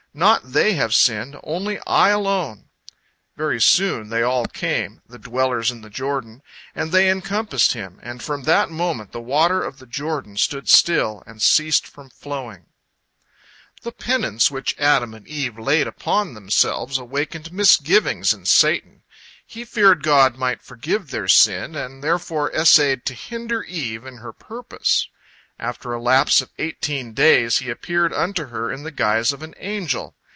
Not they have sinned, only I alone!" Very soon they all came, the dwellers in the Jordan, and they encompassed him, and from that moment the water of the Jordan stood still and ceased from flowing. The penance which Adam and Eve laid upon themselves awakened misgivings in Satan. He feared God might forgive their sin, and therefore essayed to hinder Eve in her purpose. After a lapse of eighteen days he appeared unto her in the guise of an angel.